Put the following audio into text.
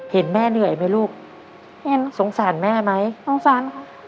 เห็นแม่เหนื่อยไหมลูกเห็นสงสารแม่ไหมสงสารค่ะ